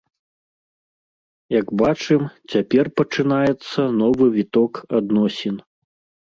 Як бачым, цяпер пачынаецца новы віток адносін.